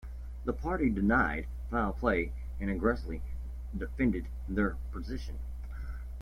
The party denied foul play and aggressively defended their position.